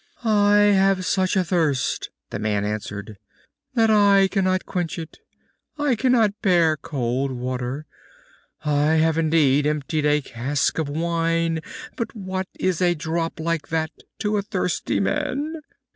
"I have such a thirst," the man answered, "and I cannot quench it. I cannot bear cold water. I have indeed emptied a cask of wine, but what is a drop like that to a thirsty man?"